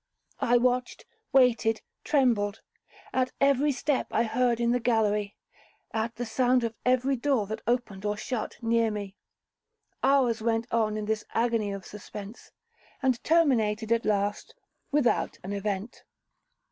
I watched, waited, trembled, at every step I heard in the gallery—at the sound of every door that opened or shut near me. Hours went on in this agony of suspense, and terminated at last without an event.